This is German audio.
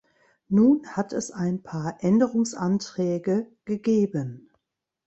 Nun hat es ein paar Änderungsanträge gegeben.